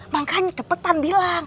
makanya cepetan bilang